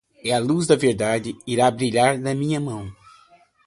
E a luz da verdade irá brilhar na minha mão